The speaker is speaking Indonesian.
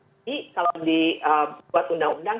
kalau dibuat undang undang